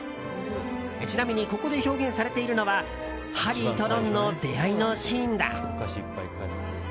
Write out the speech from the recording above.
ちなみにここで表現されているのはハリーとロンの出会いのシーンだ。